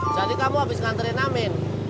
jadi kamu habiskan tren amin